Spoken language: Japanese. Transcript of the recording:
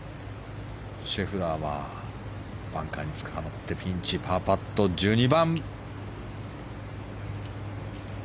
シェフラーはバンカーにつかまってピンチのパーパット、１２番。